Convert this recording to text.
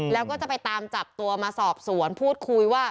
แล้วก็จะไปตามจับตัวมาสอบสวนพูดคุยว่า